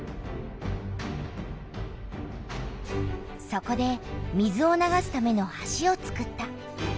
そこで水を流すための橋をつくった。